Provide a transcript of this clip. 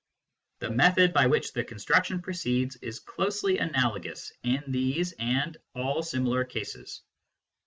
The method by which the construction proceeds is closely analogous in these and all similar cases.